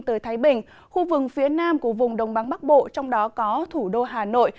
tới thái bình khu vực phía nam của vùng đông bắc bộ trong đó có thủ đô hà nội